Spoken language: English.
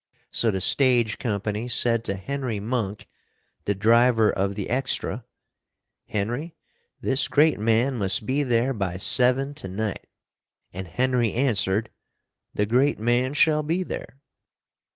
So the Stage Company said to Henry Monk, the driver of the extra, "Henry, this great man must be there by seven to night." And Henry answered, "The great man shall be there."